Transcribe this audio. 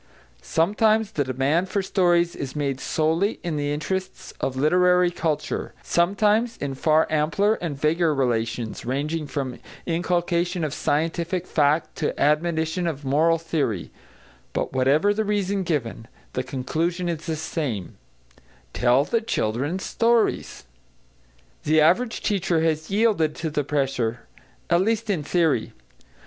Sometimes the demand for stories is made solely in the interests of literary culture, sometimes in far ampler and vaguer relations, ranging from inculcation of scientific fact to admonition of moral theory; but whatever the reason given, the conclusion is the same: tell the children stories. The average teacher has yielded to the pressure, at least in theory.